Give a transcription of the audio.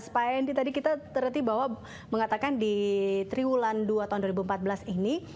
pak hendy tadi kita terhenti bahwa mengatakan di triwulan dua tahun dua ribu empat belas ini